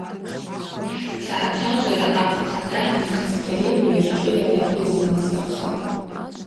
Сгӏачважвара ахъв хъада Мыхц Кьарим йыршӏыйара йазынасырхатӏ.